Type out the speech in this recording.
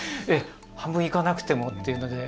半分行かなくてもというので。